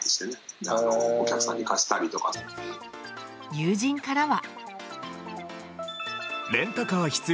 友人からは。